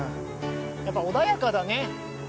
やっぱ穏やかだね